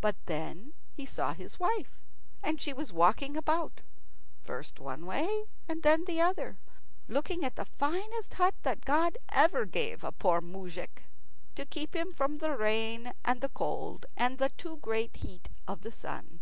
But then he saw his wife. And she was walking about, first one way and then the other, looking at the finest hut that God ever gave a poor moujik to keep him from the rain and the cold, and the too great heat of the sun.